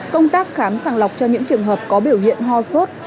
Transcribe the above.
công tác khám sàng lọc cho những trường hợp có biểu hiện ho sốt